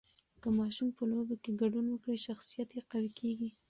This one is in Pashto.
که ماشوم په لوبو کې ګډون وکړي، شخصیت یې قوي کېږي.